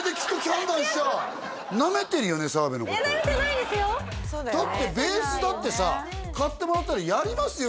ってだってベースだってさ買ってもらったらやりますよ